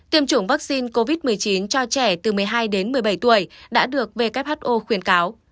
tiêm chủng vaccine covid một mươi chín cho trẻ từ một mươi hai đến một mươi bảy tuổi đã được who khuyến cáo